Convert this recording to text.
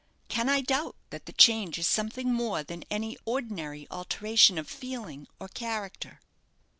Can I doubt that the change is something more than any ordinary alteration of feeling or character?"